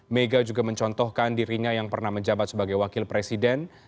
mega juga mencontohkan dirinya yang pernah menjabat sebagai wakil presiden